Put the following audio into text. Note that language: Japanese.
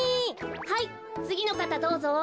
はいつぎのかたどうぞ。